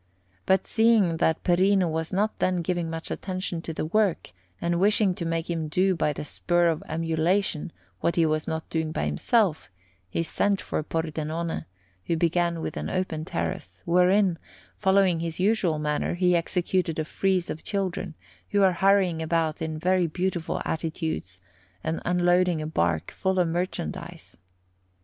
But seeing that Perino was not then giving much attention to the work, and wishing to make him do by the spur of emulation what he was not doing by himself, he sent for Pordenone, who began with an open terrace, wherein, following his usual manner, he executed a frieze of children, who are hurrying about in very beautiful attitudes and unloading a barque full of merchandise.